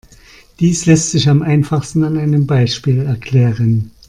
Dies lässt sich am einfachsten an einem Beispiel erklären.